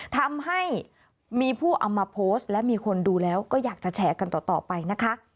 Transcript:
ทำให้มีผู้เอามาโพสต์และมีคนดูแล้วก็อยากจะแชร์กันต่อไปนะคะ